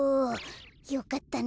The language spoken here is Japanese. よかったね